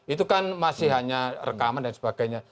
itu kan masih hanya rekaman dan sebagainya